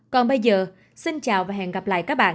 còn bây giờ xin chào và hẹn gặp lại các bạn